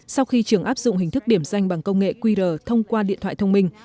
sau khi trường áp dụng hình thức điểm danh bằng công nghệ qr thông qua điện thoại thông minh